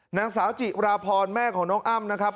นางสาวจิราพรแม่ของน้องอ้ำนะครับ